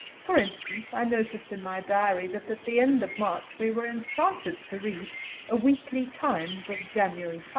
For instance, I notice in my diary that at the end of March we were enchanted to read a Weekly Times of January 5.